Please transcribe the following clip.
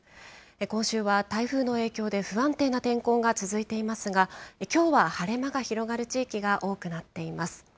今週は台風の影響で不安定な天候が続いていますが、きょうは晴れ間が広がる地域が多くなっています。